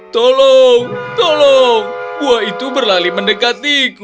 tolong tolong buah itu berlari mendekatiku